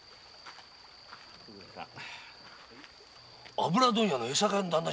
油問屋・江坂屋の旦那だ。